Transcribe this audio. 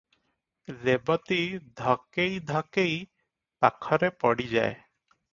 ରେବତୀ ଧକେଇ ଧକେଇ ପାଖରେ ପଡ଼ିଯାଏ ।